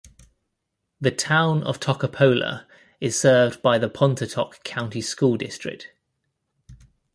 The town of Toccopola is served by the Pontotoc County School District.